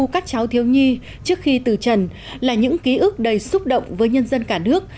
các cháu thiếu nhi trước khi từ trần là những ký ức đầy xúc động với nhân dân cả nước